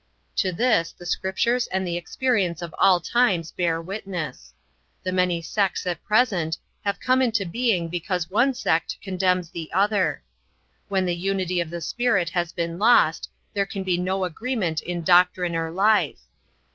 To this the Scriptures and the experience of all times bear witness. The many sects at present have come into being because one sect condemns the other. When the unity of the spirit has been lost there can be no agreement in doctrine or life.